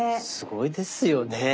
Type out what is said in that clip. すごいですよね。